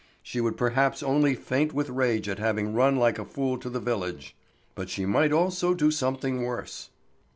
She would perhaps only faint with rage at having run like a fool to the village, but she might also do something worse.